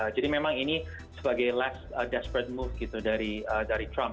jadi memang ini sebagai last desperate move gitu dari trump